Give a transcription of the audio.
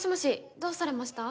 どうされました？